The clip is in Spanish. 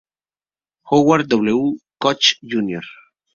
Howard W. Koch, Jr.